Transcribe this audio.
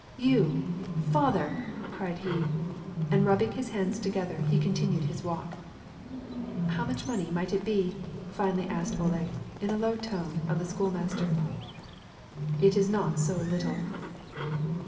"You, father!" cried he, and rubbing his hands together he continued his walk. "How much money might it be?" finally asked Ole, in a low tone, of the school master. "It is not so little."